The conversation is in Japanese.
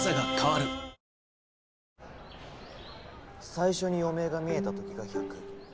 最初に余命が見えた時が「１００」。